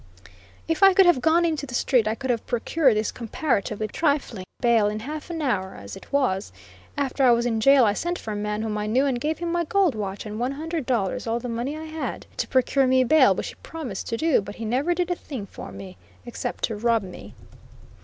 If I could have gone into the street I could have procured this comparatively trifling bail in half an hour; as it was, after I was in jail I sent for a man whom I knew, and gave him my gold watch and one hundred dollars, all the money I had, to procure me bail, which he promised to do; but he never did a thing for me, except to rob me.